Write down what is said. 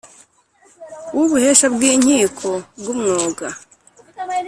w Ubuhesha bw Inkiko bw umwuga